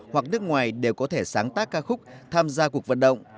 hoặc nước ngoài đều có thể sáng tác ca khúc tham gia cuộc vận động